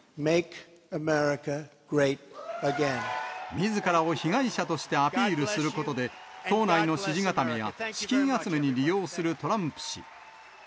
みずからを被害者としてアピールすることで、党内の支持固めや、資金集めに利用するトランプ氏。